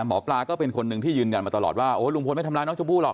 หมอปลาก็เป็นคนหนึ่งที่ยืนยันมาตลอดว่าโอ้ลุงพลไม่ทำร้ายน้องชมพู่หรอก